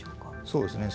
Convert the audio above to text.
そうですね。